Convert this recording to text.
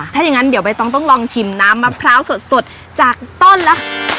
ถ้าอย่างนั้นเดี๋ยวใบตองต้องลองชิมน้ำมะพร้าวสดจากต้นแล้ว